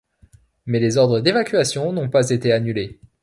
Mais les ordres d'évacuation n'ont pas été annulés.